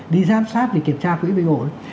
đi giám sát để kiểm soát quỹ bình ổn